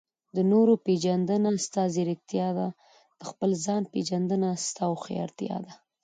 د نورو پېژندنه؛ ستا ځیرکتیا ده. د خپل ځان پېژندنه؛ ستا هوښيارتيا ده.